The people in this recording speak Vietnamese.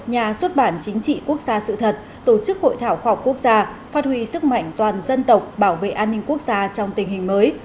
nhà xuất bản chính trị quốc gia sự thật tổ chức hội thảo khoa học quốc gia phát huy sức mạnh toàn dân tộc bảo vệ an ninh quốc gia trong tình hình mới